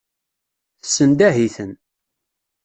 Tessendah-iten.